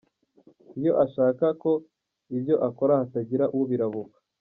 Iyo ashaka ko ibyo akora hatagira ubirabukwa.